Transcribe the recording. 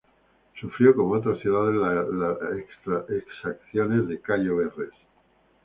Sufrió como otras ciudades las exacciones de Cayo Verres.